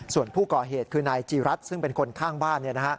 ส่วนผู้ก่อเหตุคือนายจีรัฐซึ่งเป็นคนข้างบ้าน